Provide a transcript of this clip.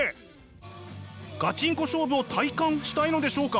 ガチンコ勝負を体感したいのでしょうか？